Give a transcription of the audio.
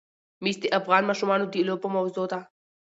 مس د افغان ماشومانو د لوبو موضوع ده.